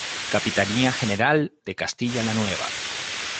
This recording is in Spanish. Capitanía General de Castilla la Nueva.